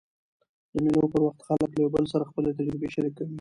د مېلو پر وخت خلک له یو بل سره خپلي تجربې شریکوي.